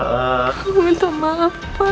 aku minta maaf pak